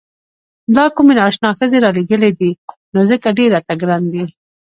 دا کومې نا اشنا ښځې رالېږلي دي نو ځکه ډېر راته ګران دي.